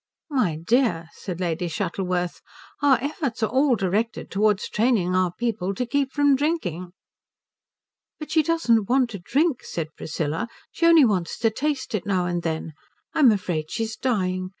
"My dear," said Lady Shuttleworth, "our efforts are all directed towards training our people to keep from drinking." "But she doesn't want to drink," said Priscilla. "She only wants to taste it now and then. I'm afraid she's dying.